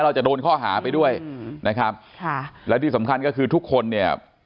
เราจะโดนข้อหาไปด้วยนะครับค่ะและที่สำคัญก็คือทุกคนเนี่ย